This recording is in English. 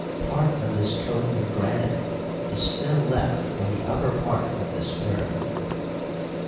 Part of this coating of granite is still left on the upper part of this pyramid.